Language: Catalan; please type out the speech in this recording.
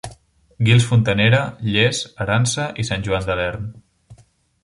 Guils Fontanera, Lles, Aransa i Sant Joan de l'Erm.